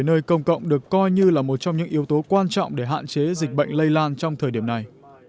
nơi công cộng được coi như là một trong những yếu tố quan trọng để hạn chế dịch bệnh lây lan trong thời điểm này